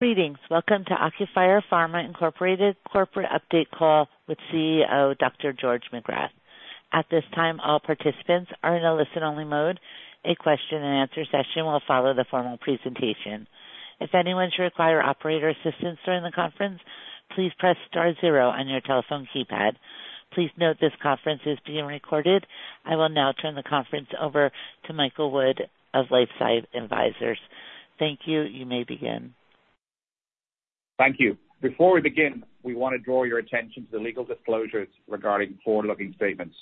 Greetings. Welcome to Ocuphire Pharma, Inc. corporate update call with CEO Dr. George Magrath. At this time, all participants are in a listen-only mode. A question and answer session will follow the formal presentation. If anyone should require operator assistance during the conference, please press star zero on your telephone keypad. Please note this conference is being recorded. I will now turn the conference over to Michael Wood of LifeSci Advisors. Thank you. You may begin. Thank you. Before we begin, we want to draw your attention to the legal disclosures regarding forward-looking statements.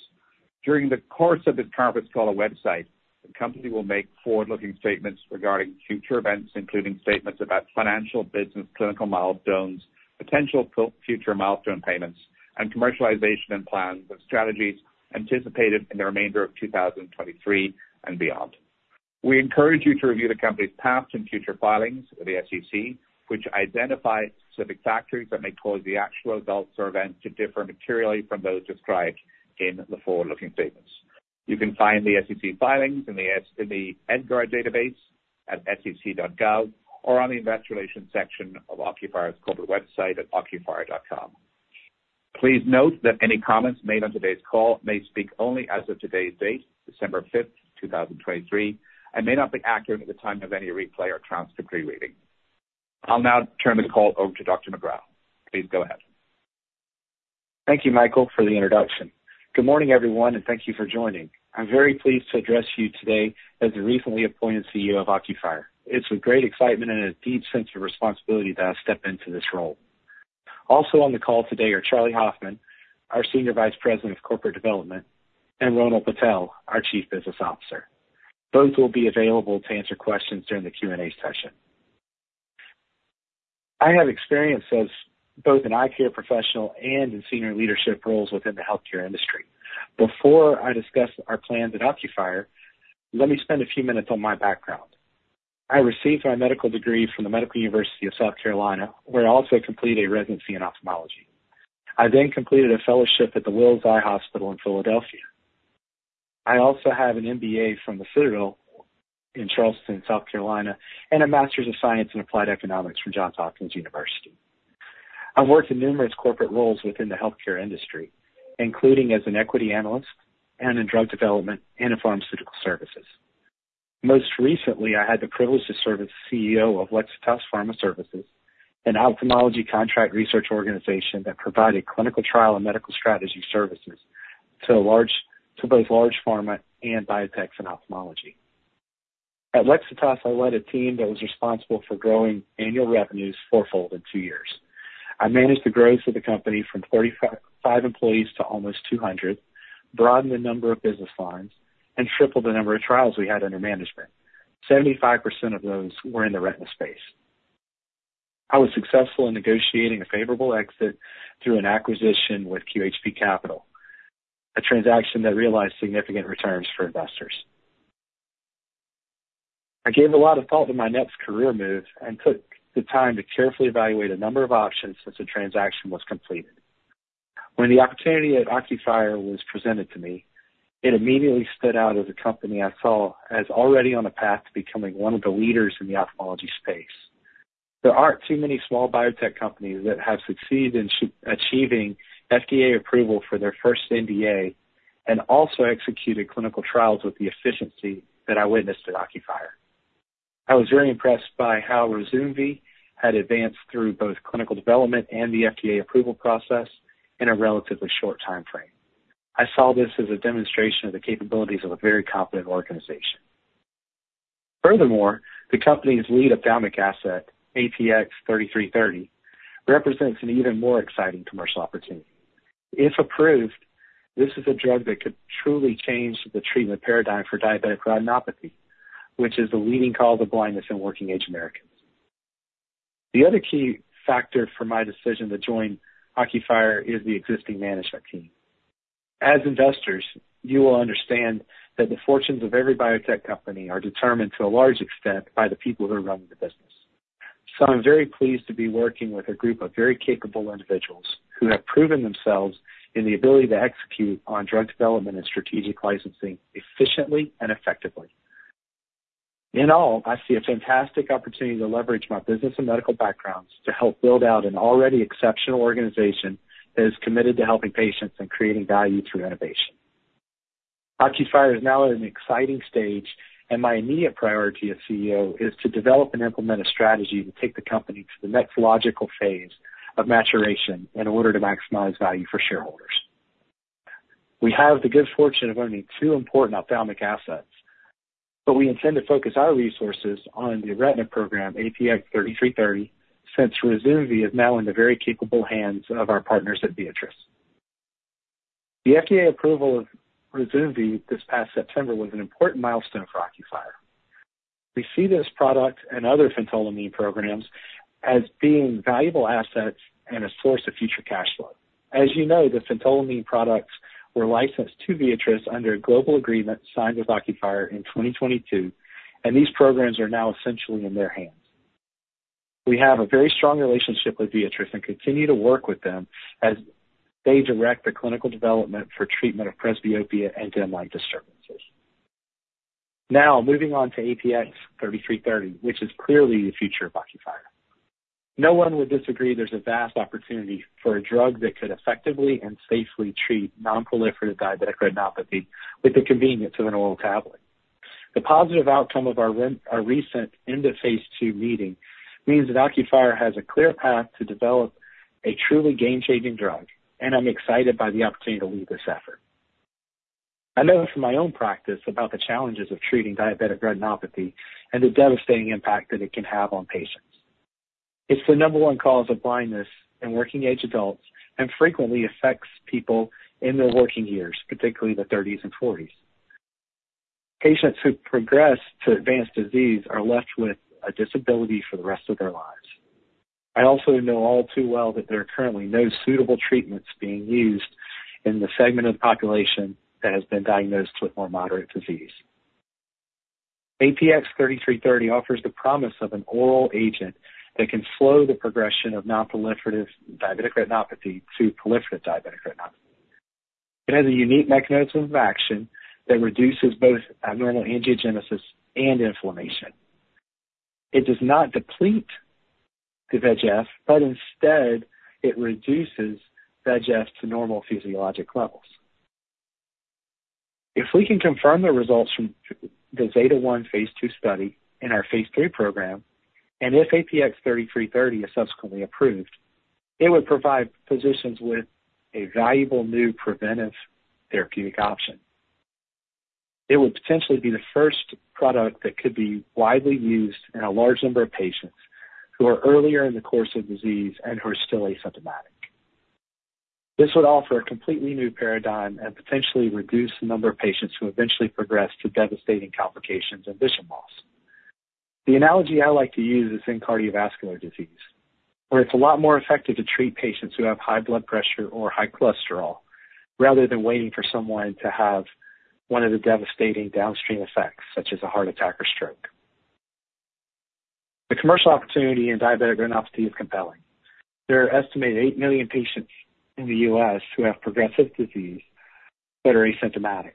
During the course of this conference call or webcast, the company will make forward-looking statements regarding future events, including statements about financial, business, clinical milestones, potential future milestone payments, and commercialization and plans or strategies anticipated in the remainder of 2023 and beyond. We encourage you to review the company's past and future filings with the SEC, which identify specific factors that may cause the actual results or events to differ materially from those described in the forward-looking statements. You can find the SEC filings in the EDGAR Database at sec.gov or on the investor relations section of Ocuphire's corporate website at ocuphire.com. Please note that any comments made on today's call may speak only as of today's date, December 5th, 2023, and may not be accurate at the time of any replay or transcript rereading. I'll now turn this call over to Dr. Magrath. Please go ahead. Thank you, Michael, for the introduction. Good morning, everyone, and thank you for joining. I'm very pleased to address you today as the recently appointed CEO of Ocuphire. It's with great excitement and a deep sense of responsibility that I step into this role. Also on the call today are Charlie Hoffman, our Senior Vice President of Corporate Development, and Ronil Patel, our Chief Business Officer. Both will be available to answer questions during the Q&A session. I have experience as both an eye care professional and in senior leadership roles within the healthcare industry. Before I discuss our plans at Ocuphire, let me spend a few minutes on my background. I received my medical degree from the Medical University of South Carolina, where I also completed a residency in ophthalmology. I then completed a fellowship at the Wills Eye Hospital in Philadelphia. I also have an MBA from The Citadel in Charleston, South Carolina, and a Master of Science in Applied Economics from Johns Hopkins University. I've worked in numerous corporate roles within the healthcare industry, including as an equity analyst and in drug development and in pharmaceutical services. Most recently, I had the privilege to serve as CEO of Lexitas Pharma Services, an ophthalmology contract research organization that provided clinical trial and medical strategy services to both large pharma and biotechs in ophthalmology. At Lexitas, I led a team that was responsible for growing annual revenues fourfold in two years. I managed the growth of the company from 35 employees to almost 200, broadened the number of business lines, and tripled the number of trials we had under management. 75% of those were in the retina space. I was successful in negotiating a favorable exit through an acquisition with QHP Capital, a transaction that realized significant returns for investors. I gave a lot of thought to my next career move and took the time to carefully evaluate a number of options since the transaction was completed. When the opportunity at Ocuphire was presented to me, it immediately stood out as a company I saw as already on a path to becoming one of the leaders in the ophthalmology space. There aren't too many small biotech companies that have succeeded in achieving FDA approval for their first NDA and also executed clinical trials with the efficiency that I witnessed at Ocuphire. I was very impressed by how RYZUMVI had advanced through both clinical development and the FDA approval process in a relatively short timeframe. I saw this as a demonstration of the capabilities of a very competent organization. Furthermore, the company's lead ophthalmic asset, APX3330, represents an even more exciting commercial opportunity. If approved, this is a drug that could truly change the treatment paradigm for diabetic retinopathy, which is the leading cause of blindness in working-age Americans. The other key factor for my decision to join Ocuphire is the existing management team. As investors, you will understand that the fortunes of every biotech company are determined to a large extent by the people who are running the business. I'm very pleased to be working with a group of very capable individuals who have proven themselves in the ability to execute on drug development and strategic licensing efficiently and effectively. In all, I see a fantastic opportunity to leverage my business and medical backgrounds to help build out an already exceptional organization that is committed to helping patients and creating value through innovation. Ocuphire is now at an exciting stage, and my immediate priority as CEO is to develop and implement a strategy to take the company to the next logical phase of maturation in order to maximize value for shareholders. We have the good fortune of owning two important ophthalmic assets, but we intend to focus our resources on the retina program, APX3330, since RYZUMVI is now in the very capable hands of our partners at Viatris. The FDA approval of RYZUMVI this past September was an important milestone for Ocuphire. We see this product and other phentolamine programs as being valuable assets and a source of future cash flow. As you know, the phentolamine products were licensed to Viatris under a global agreement signed with Ocuphire in 2022, and these programs are now essentially in their hands. We have a very strong relationship with Viatris and continue to work with them as they direct the clinical development for treatment of presbyopia and DLD disorder. Now moving on to APX3330, which is clearly the future of Ocuphire. No one would disagree there's a vast opportunity for a drug that could effectively and safely treat non-proliferative diabetic retinopathy with the convenience of an oral tablet. The positive outcome of our recent end-of-phase II meeting means that Ocuphire has a clear path to develop a truly game-changing drug, and I'm excited by the opportunity to lead this effort. I know from my own practice about the challenges of treating diabetic retinopathy and the devastating impact that it can have on patients. It's the number one cause of blindness in working age adults and frequently affects people in their working years, particularly the thirties and forties. Patients who progress to advanced disease are left with a disability for the rest of their lives. I also know all too well that there are currently no suitable treatments being used in the segment of the population that has been diagnosed with more moderate disease. APX3330 offers the promise of an oral agent that can slow the progression of non-proliferative diabetic retinopathy to proliferative diabetic retinopathy. It has a unique mechanism of action that reduces both abnormal angiogenesis and inflammation. It does not deplete the VEGF, but instead it reduces VEGF to normal physiologic levels. If we can confirm the results from the ZETA-1 phase II study in our phase III program, and if APX3330 is subsequently approved, it would provide physicians with a valuable new preventive therapeutic option. It would potentially be the first product that could be widely used in a large number of patients who are earlier in the course of disease and who are still asymptomatic. This would offer a completely new paradigm and potentially reduce the number of patients who eventually progress to devastating complications and vision loss. The analogy I like to use is in cardiovascular disease, where it's a lot more effective to treat patients who have high blood pressure or high cholesterol, rather than waiting for someone to have one of the devastating downstream effects, such as a heart attack or stroke. The commercial opportunity in diabetic retinopathy is compelling. There are an estimated 8 million patients in the U.S. who have progressive disease that are asymptomatic.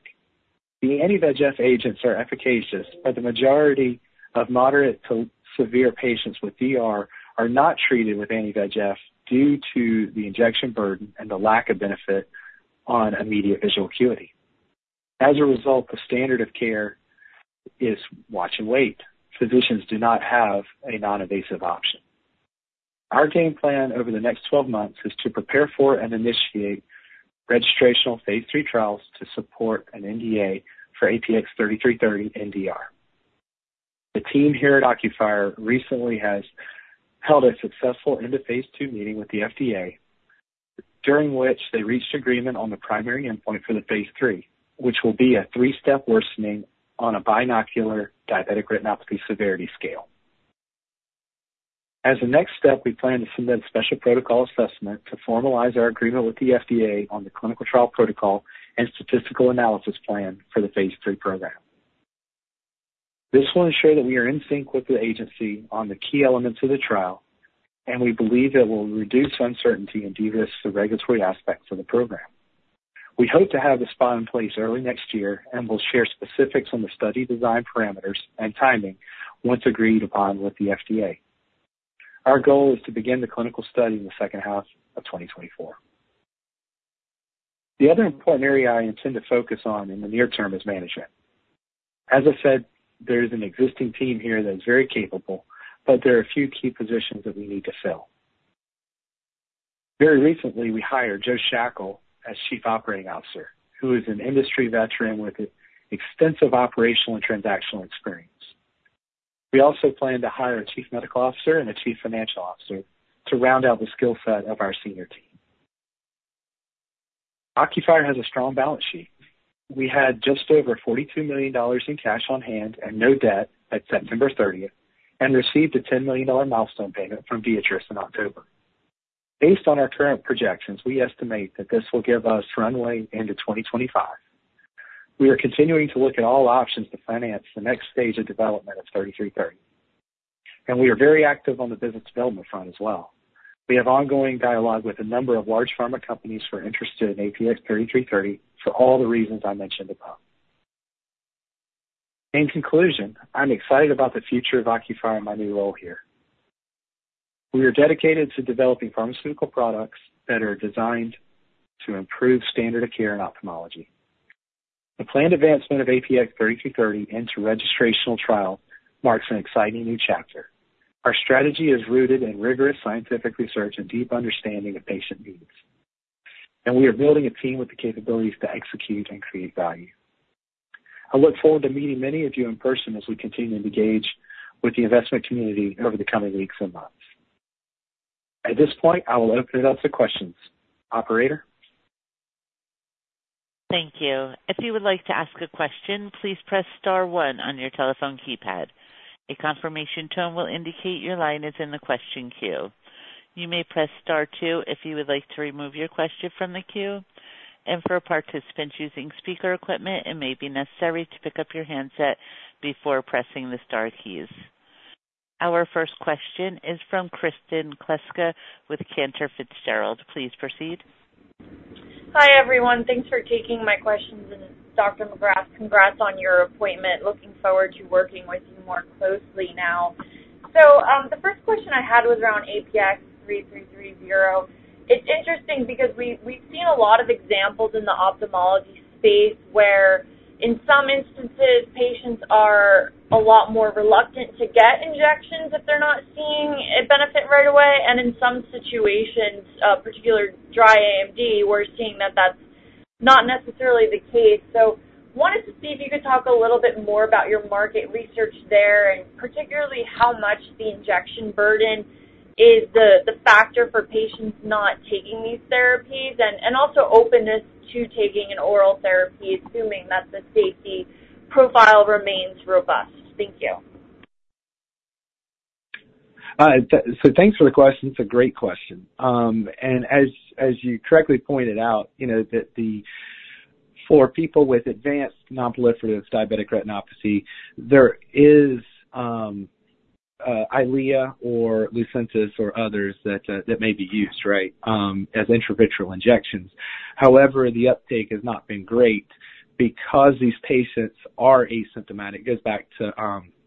The anti-VEGF agents are efficacious, but the majority of moderate to severe patients with DR are not treated with anti-VEGF due to the injection burden and the lack of benefit on immediate visual acuity. As a result, the standard of care is watch and wait. Physicians do not have a non-invasive option. Our game plan over the next 12 months is to prepare for and initiate registrational phase III trials to support an NDA for APX3330 in DR. The team here at Ocuphire recently has held a successful end-of-phase II meeting with the FDA, during which they reached agreement on the primary endpoint for the phase III, which will be a three-step worsening on a binocular diabetic retinopathy severity scale. As a next step, we plan to submit Special Protocol Assessment to formalize our agreement with the FDA on the clinical trial protocol and statistical analysis plan for the phase III program. This will ensure that we are in sync with the agency on the key elements of the trial, and we believe it will reduce uncertainty and de-risk the regulatory aspects of the program. We hope to have the SPA in place early next year, and we'll share specifics on the study design parameters and timing once agreed upon with the FDA. Our goal is to begin the clinical study in the second half of 2024. The other important area I intend to focus on in the near term is management. As I said, there's an existing team here that is very capable, but there are a few key positions that we need to fill. Very recently, we hired as Chief Operating Officer, who is an industry veteran with extensive operational and transactional experience. We also plan to hire a Chief Medical Officer and a Chief Financial Officer to round out the skill set of our senior team. Ocuphire has a strong balance sheet. We had just over $42 million in cash on hand and no debt at September 30th and received a $10 million milestone payment from Viatris in October. Based on our current projections, we estimate that this will give us runway into 2025. We are continuing to look at all options to finance the next stage of development of 3330. We are very active on the business development front as well. We have ongoing dialogue with a number of large pharma companies who are interested in APX3330 for all the reasons I mentioned above. In conclusion, I'm excited about the future of Ocuphire and my new role here. We are dedicated to developing pharmaceutical products that are designed to improve standard of care in ophthalmology. The planned advancement of APX3330 into registrational trial marks an exciting new chapter. Our strategy is rooted in rigorous scientific research and deep understanding of patient needs. We are building a team with the capabilities to execute and create value. I look forward to meeting many of you in person as we continue to engage with the investment community over the coming weeks and months. At this point, I will open it up to questions. Operator. Thank you. If you would like to ask a question, please press star one on your telephone keypad. A confirmation tone will indicate your line is in the question queue. You may press star two if you would like to remove your question from the queue. For participants using speaker equipment, it may be necessary to pick up your handset before pressing the star keys. Our first question is from Kristen Kluska with Cantor Fitzgerald. Please proceed. Hi, everyone. Thanks for taking my questions. Dr. Magrath, congrats on your appointment. Looking forward to working with you more closely now. The first question I had was around APX3330. It's interesting because we've seen a lot of examples in the ophthalmology space where, in some instances, patients are a lot more reluctant to get injections if they're not seeing a benefit right away. In some situations, particular dry AMD, we're seeing that that's not necessarily the case. Wanted to see if you could talk a little bit more about your market research there, and particularly how much the injection burden is the factor for patients not taking these therapies, and also openness to taking an oral therapy, assuming that the safety profile remains robust. Thank you. Thanks for the question. It's a great question. As you correctly pointed out, for people with advanced non-proliferative diabetic retinopathy, there is Eylea or Lucentis or others that may be used as intravitreal injections. However, the uptake has not been great because these patients are asymptomatic. It goes back to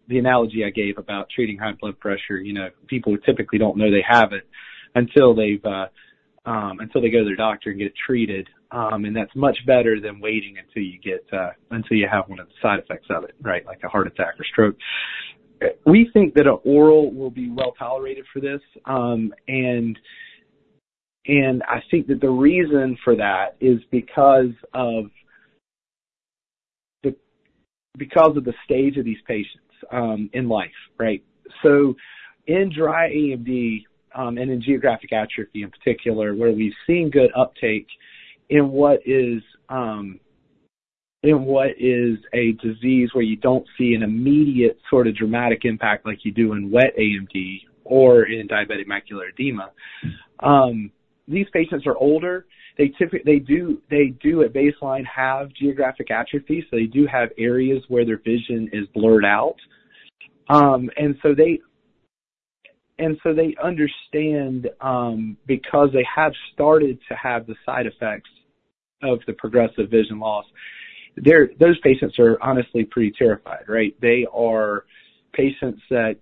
the analogy I gave about treating high blood pressure. People who typically don't know they have it until they go to their doctor and get treated, and that's much better than waiting until you have one of the side effects of it, like a heart attack or stroke. We think that oral will be well-tolerated for this. I think that the reason for that is because of the stage of these patients in life. In dry AMD, and in geographic atrophy in particular, where we've seen good uptake in what is a disease where you don't see an immediate sort of dramatic impact like you do in wet AMD or in diabetic macular edema. These patients are older. They do, at baseline, have geographic atrophy. They do have areas where their vision is blurred out. They understand, because they have started to have the side effects of the progressive vision loss. Those patients are honestly pretty terrified. They are patients that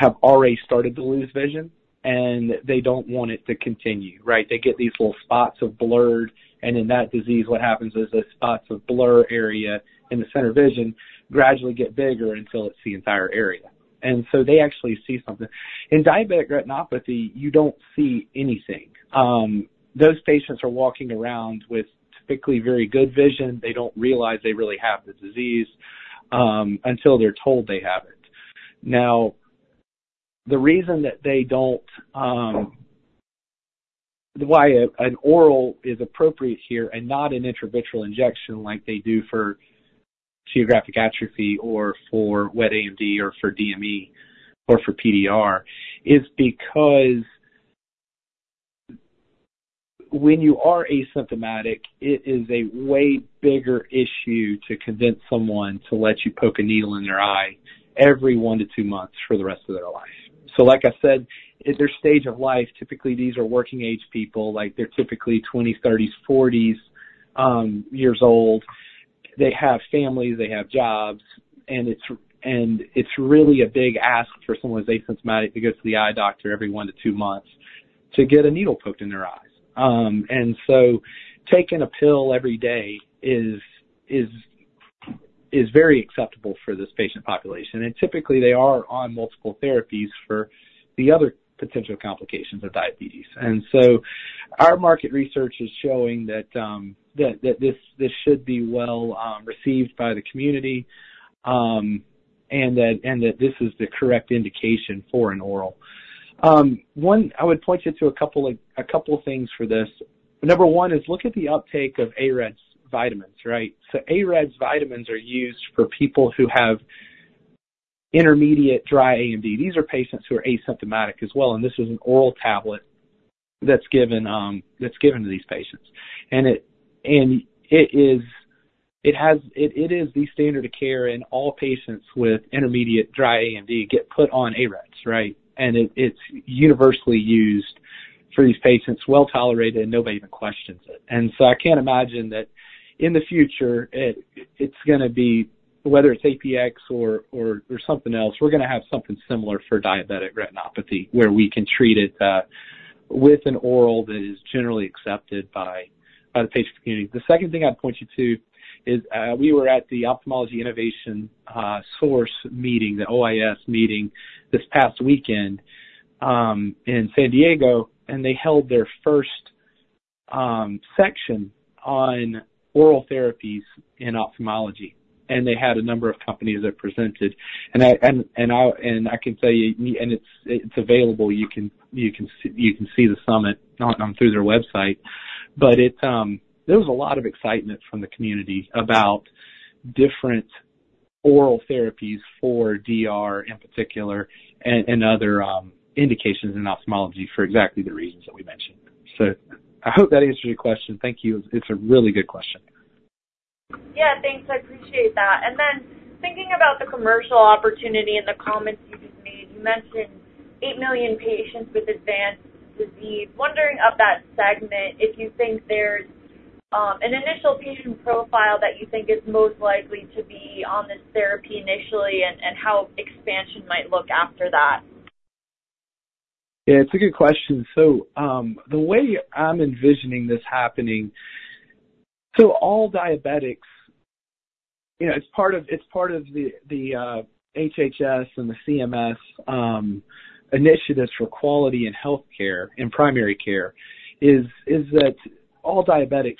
have already started to lose vision, and they don't want it to continue. They get these little spots of blurred. In that disease, what happens is the spots of blur are in the center vision gradually get bigger until it's the entire area. They actually see something. In diabetic retinopathy, you don't see anything. Those patients are walking around with typically very good vision. They don't realize they really have the disease, until they're told they have it. The reason why an oral is appropriate here and not an intravitreal injection like they do for geographic atrophy or for wet AMD or for DME or for PDR, is because when you are asymptomatic, it is a way bigger issue to convince someone to let you poke a needle in their eye every one to two months for the rest of their life. Like I said, at their stage of life, typically these are working-age people. They're typically 20s, 30s, 40s years old. They have families, they have jobs, and it's really a big ask for someone who's asymptomatic to go to the eye doctor every one to two months to get a needle poked in their eyes. Taking a pill every day is very acceptable for this patient population. Typically they are on multiple therapies for the other potential complications of diabetes. Our market research is showing that this should be well-received by the community, and that this is the correct indication for an oral. I would point you to a couple of things for this. Number one is look at the uptake of AREDS vitamins. AREDS vitamins are used for people who have intermediate dry AMD. These are patients who are asymptomatic as well, and this is an oral tablet that's given to these patients. It is the standard of care in all patients with intermediate dry AMD get put on AREDS. It's universally used for these patients, well-tolerated, and nobody even questions it. I can't imagine that in the future it's going to be, whether it's APX or something else, we're going to have something similar for diabetic retinopathy, where we can treat it with an oral that is generally accepted by the patient community. The second thing I'd point you to is, we were at the Ophthalmology Innovation Summit meeting, the OIS meeting this past weekend, in San Diego, and they held their first section on oral therapies in ophthalmology, and they had a number of companies that presented. I can tell you, and it's available. You can see the summit through their website. There was a lot of excitement from the community about different oral therapies for DR in particular and other indications in ophthalmology for exactly the reasons that we mentioned. I hope that answers your question. Thank you. It's a really good question. Yeah, thanks. I appreciate that. Thinking about the commercial opportunity and the comments you just made, you mentioned 8 million patients with advanced disease. Wondering of that segment, if you think there's an initial patient profile that you think is most likely to be on this therapy initially, and how expansion might look after that? Yeah, it's a good question. The way I'm envisioning this happening, so all diabetics, it's part of the HHS and the CMS initiatives for quality in healthcare, in primary care, is that all diabetics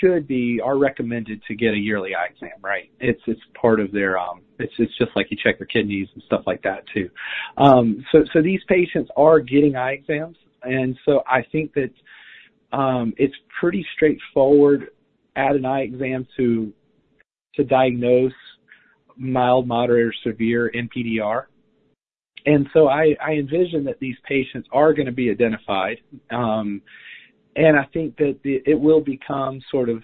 should be, are recommended to get a yearly eye exam, right? It's just like you check your kidneys and stuff like that, too. These patients are getting eye exams, and so I think that it's pretty straightforward at an eye exam to diagnose mild, moderate, or severe NPDR. I envision that these patients are going to be identified. I think that it will become sort of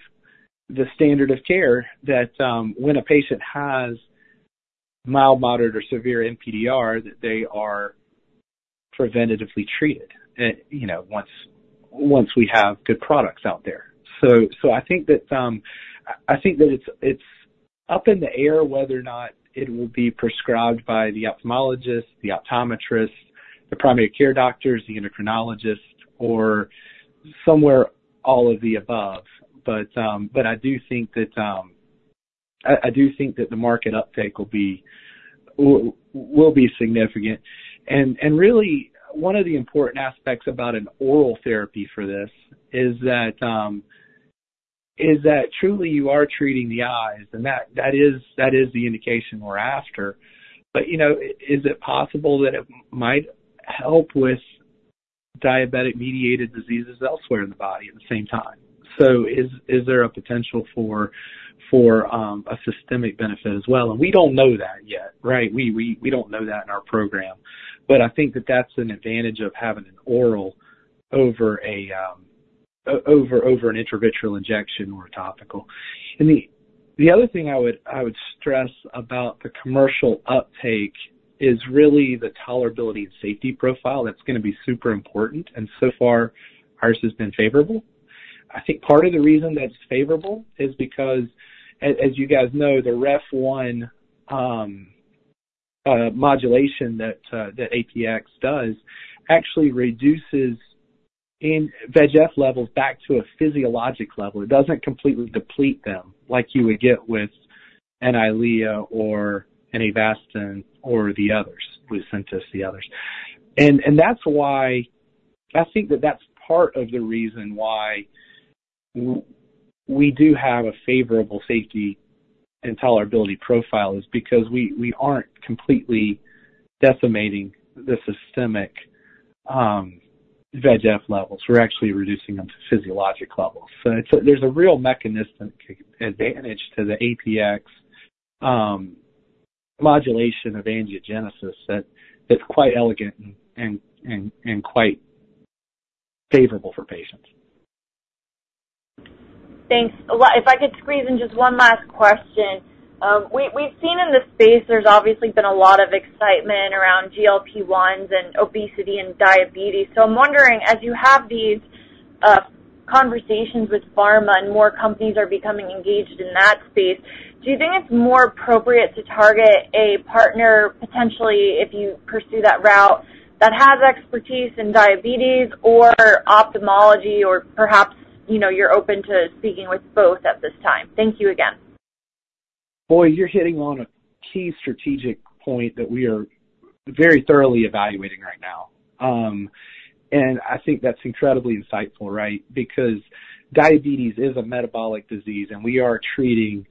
the standard of care that when a patient has mild, moderate, or severe NPDR, that they are preventatively treated, once we have good products out there. I think that it's up in the air whether or not it will be prescribed by the ophthalmologist, the optometrist, the primary care doctors, the endocrinologist, or somewhere all of the above. I do think that the market uptake will be significant. Really one of the important aspects about an oral therapy for this is that truly you are treating the eyes, and that is the indication we're after. Is it possible that it might help with diabetic-mediated diseases elsewhere in the body at the same time? Is there a potential for a systemic benefit as well? We don't know that yet, right? We don't know that in our program. I think that that's an advantage of having an oral over an intravitreal injection or a topical. The other thing I would stress about the commercial uptake is really the tolerability and safety profile. That's going to be super important. So far, ours has been favorable. I think part of the reason that it's favorable is because, as you guys know, the Ref-1 modulation that APX does actually reduces VEGF levels back to a physiologic level. It doesn't completely deplete them like you would get with an Eylea or an Avastin or the others, Lucentis, the others. I think that that's part of the reason why we do have a favorable safety and tolerability profile is because we aren't completely decimating the systemic VEGF levels. We're actually reducing them to physiologic levels. There's a real mechanistic advantage to the APX modulation of angiogenesis that's quite elegant and quite favorable for patients. Thanks. If I could squeeze in just one last question. We've seen in this space there's obviously been a lot of excitement around GLP-1s and obesity and diabetes. I'm wondering, as you have these conversations with pharma and more companies are becoming engaged in that space, do you think it's more appropriate to target a partner, potentially, if you pursue that route, that has expertise in diabetes or ophthalmology? Or perhaps, you're open to speaking with both at this time. Thank you again. Boy, you're hitting on a key strategic point that we are very thoroughly evaluating right now. I think that's incredibly insightful, right? Because diabetes is a metabolic disease, and we are treating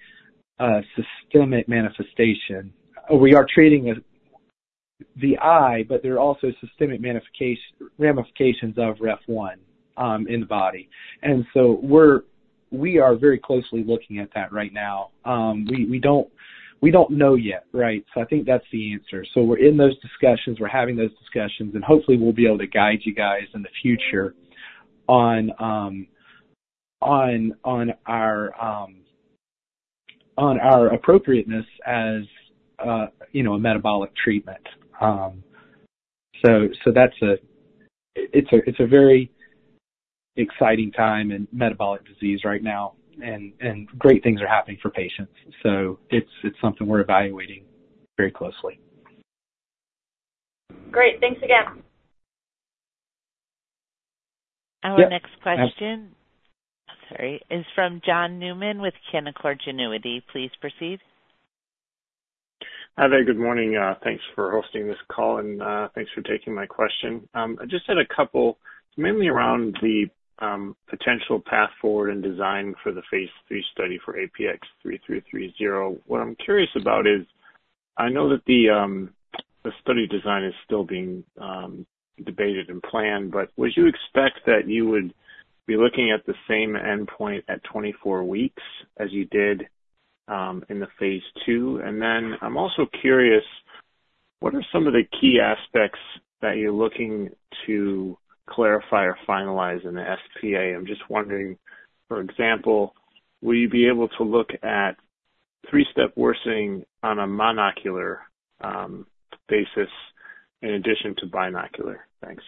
a systemic manifestation. We are treating the eye, but there are also systemic ramifications of Ref-1 in the body. We are very closely looking at that right now. We don't know yet, right? I think that's the answer. We're in those discussions, we're having those discussions, and hopefully we'll be able to guide you guys in the future on our appropriateness as a metabolic treatment. It's a very exciting time in metabolic disease right now, and great things are happening for patients. It's something we're evaluating very closely. Great. Thanks again. Our next question. Yeah. Sorry. This is from John Newman with Canaccord Genuity. Please proceed. Hi there. Good morning. Thanks for hosting this call, and thanks for taking my question. I just had a couple, mainly around the potential path forward and design for the phase III study for APX3330. What I'm curious about is, I know that the study design is still being debated and planned, but would you expect that you would be looking at the same endpoint at 24 weeks as you did in the phase II? I'm also curious. What are some of the key aspects that you're looking to clarify or finalize in the SPA? I'm just wondering, for example, will you be able to look at three-step worsening on a monocular basis in addition to binocular? Thanks.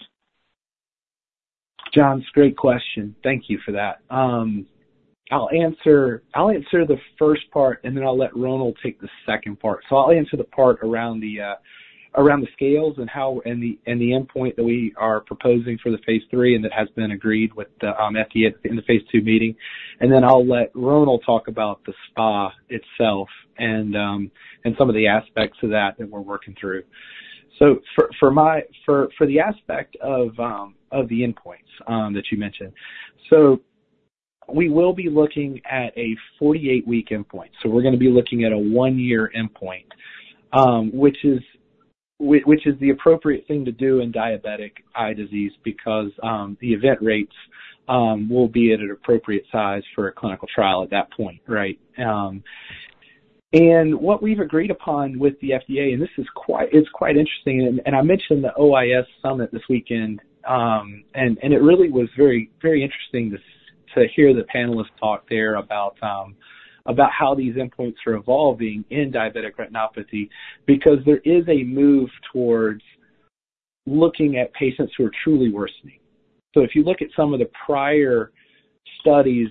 John, it's a great question. Thank you for that. I'll answer the first part, and then I'll let Ronil take the second part. I'll answer the part around the scales and the endpoint that we are proposing for the phase III, and that has been agreed with the FDA in the phase II meeting. I'll let Ronil talk about the SPA itself and some of the aspects of that we're working through. For the aspect of the endpoints that you mentioned. We will be looking at a 48-week endpoint. We're going to be looking at a 1-year endpoint, which is the appropriate thing to do in diabetic eye disease because the event rates will be at an appropriate size for a clinical trial at that point, right? What we've agreed upon with the FDA, and it's quite interesting. I mentioned the OIS summit this weekend, and it really was very interesting to hear the panelists talk there about how these endpoints are evolving in diabetic retinopathy because there is a move towards looking at patients who are truly worsening. If you look at some of the prior studies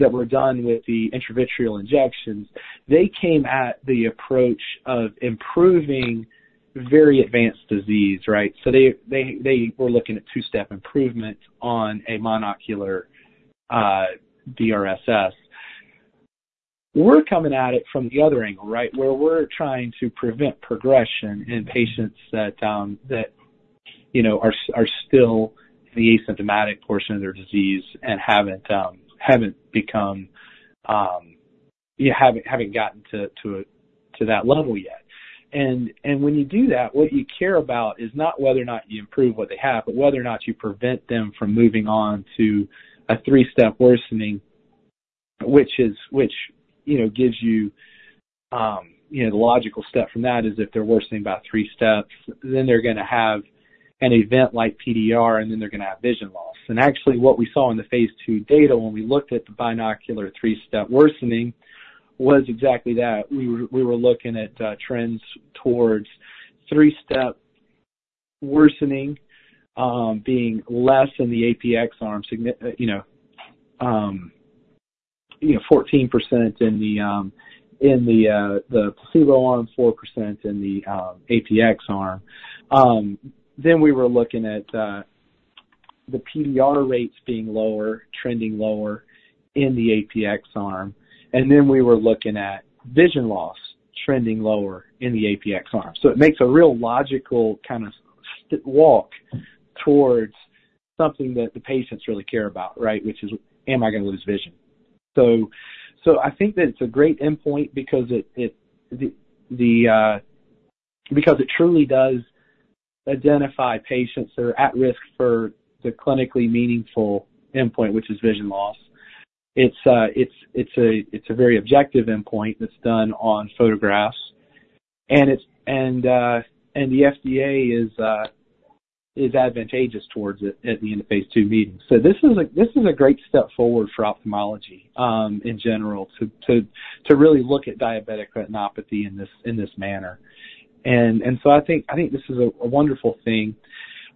that were done with the intravitreal injections, they came at the approach of improving very advanced disease, right? They were looking at two-step improvement on a monocular DRSS. We're coming at it from the other angle, right? Where we're trying to prevent progression in patients that are still in the asymptomatic portion of their disease and haven't gotten to that level yet. When you do that, what you care about is not whether or not you improve what they have, but whether or not you prevent them from moving on to a three-step worsening, which gives you the logical step from that is if they're worsening about three steps, then they're going to have an event like PDR, and then they're going to have vision loss. Actually, what we saw in the phase II data when we looked at the binocular three-step worsening was exactly that. We were looking at trends towards three-step worsening being less in the APX arm. 14% in the placebo arm, 4% in the APX arm. We were looking at the PDR rates being lower, trending lower in the APX arm. We were looking at vision loss trending lower in the APX arm. It makes a real logical kind of walk towards something that the patients really care about, right? Which is, am I going to lose vision? I think that it's a great endpoint because it truly does identify patients that are at risk for the clinically meaningful endpoint, which is vision loss. It's a very objective endpoint that's done on photographs. The FDA is advantageous towards it at the end of phase II meetings. This is a great step forward for ophthalmology, in general, to really look at diabetic retinopathy in this manner. I think this is a wonderful thing.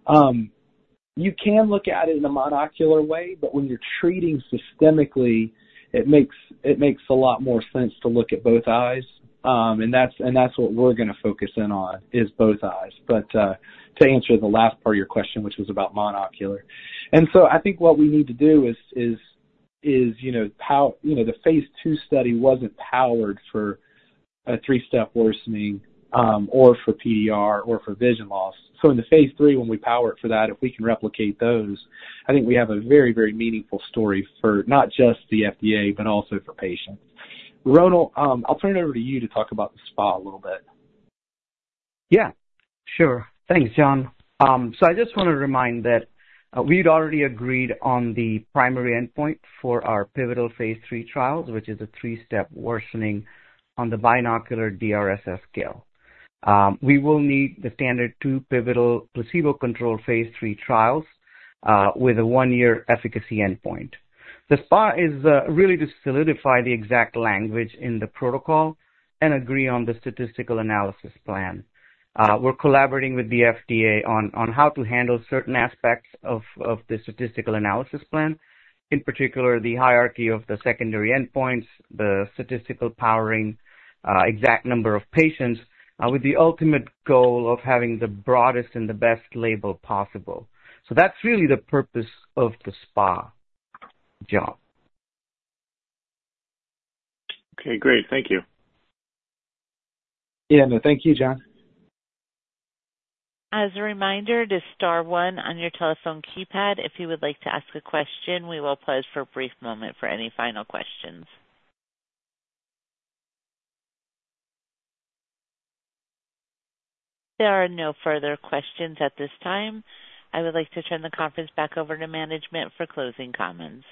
You can look at it in a monocular way, but when you're treating systemically, it makes a lot more sense to look at both eyes. That's what we're going to focus in on, is both eyes. To answer the last part of your question, which was about monocular. I think what we need to do is, the phase II study wasn't powered for a three-step worsening, or for PDR or for vision loss. In the phase III, when we power it for that, if we can replicate those, I think we have a very meaningful story for not just the FDA, but also for patients. Ronil, I'll turn it over to you to talk about the SPA little bit. Yeah. Sure. Thanks, John. I just want to remind that we'd already agreed on the primary endpoint for our pivotal phase III trials, which is a three-step worsening on the binocular DRSS scale. We will need the standard two pivotal placebo-controlled phase III trials, with a one-year efficacy endpoint. The SPA is really to solidify the exact language in the protocol and agree on the statistical analysis plan. We're collaborating with the FDA on how to handle certain aspects of the statistical analysis plan, in particular, the hierarchy of the secondary endpoints, the statistical powering, exact number of patients, with the ultimate goal of having the broadest and the best label possible. That's really the purpose of the SPA, John. Okay, great. Thank you. Yeah. No, thank you, John. As a reminder to star one on your telephone keypad if you would like to ask a question. We will pause for a brief moment for any final questions. There are no further questions at this time. I would like to turn the conference back over to management for closing comments.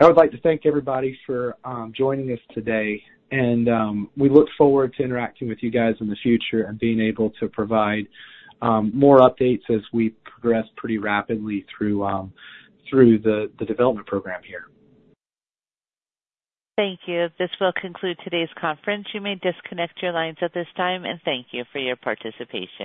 I would like to thank everybody for joining us today, and we look forward to interacting with you guys in the future and being able to provide more updates as we progress pretty rapidly through the development program here. Thank you. This will conclude today's conference. You may disconnect your lines at this time, and thank you for your participation.